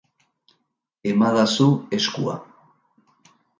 Emadazu eskua.